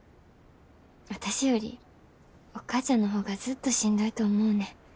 私よりお母ちゃんの方がずっとしんどいと思うねん。